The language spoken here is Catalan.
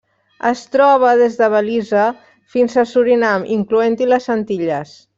Es troba des de Belize fins a Surinam, incloent-hi les Antilles.